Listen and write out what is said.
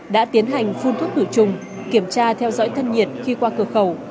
đã tiến hành phun thuốc khử trùng kiểm tra theo dõi thân nhiệt khi qua cửa khẩu